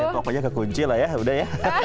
ya pokoknya kekunci lah ya